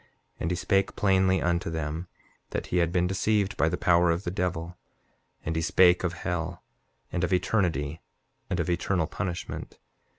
7:18 And he spake plainly unto them, that he had been deceived by the power of the devil. And he spake of hell, and of eternity, and of eternal punishment.